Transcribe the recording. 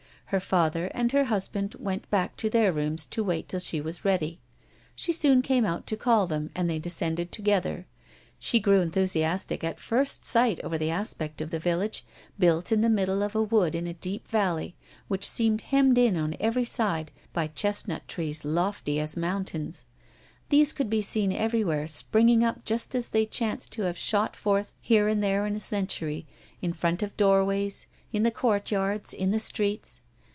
Her father and her husband went back to their rooms to wait till she was ready. She soon came out to call them, and they descended together. She grew enthusiastic at first sight over the aspect of the village, built in the middle of a wood in a deep valley, which seemed hemmed in on every side by chestnut trees lofty as mountains. These could be seen everywhere, springing up just as they chanced to have shot forth here and there in a century, in front of doorways, in the courtyards, in the streets.